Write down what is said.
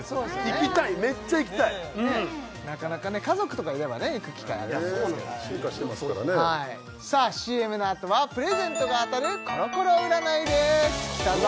行きたいめっちゃ行きたいうんなかなかね家族とかいればね行く機会あると思いますけど進化してますからねさあＣＭの後はプレゼントが当たるコロコロ占いですきたぞ